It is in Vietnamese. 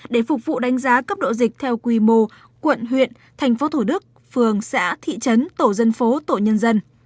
để phục vụ đánh giá cấp độ dịch theo quy mô quận huyện thành phố thủ đức phường xã thị trấn tổ dân phố tổ nhân dân